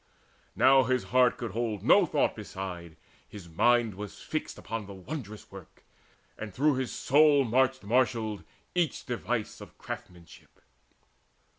Now his heart Could hold no thought beside; his mind was fixed Upon the wondrous work, and through his soul Marched marshalled each device of craftsmanship.